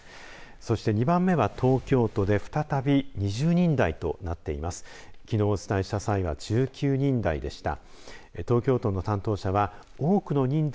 そして２番目は東京都で再び２０人台となっています。